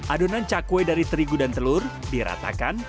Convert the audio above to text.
adonan cakwe dari terigu dan telur diratakan